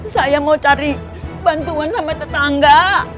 saya mau cari bantuan sama tetangga